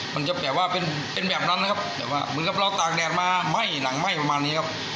มันจะแบบว่าเป็นเป็นแบบนั้นนะครับแบบว่าเหมือนกับเราตากแดดมาไหม้หนังไหม้ประมาณนี้ครับ